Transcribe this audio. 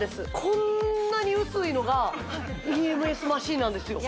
こんなに薄いのがＥＭＳマシンなんですよ